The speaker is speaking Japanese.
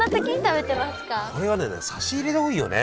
これは差し入れで多いよね！